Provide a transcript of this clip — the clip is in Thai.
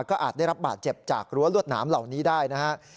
ก็อาจได้รับบาดเจ็บจากรั้วรวดหนามเหล่านี้ได้นะครับ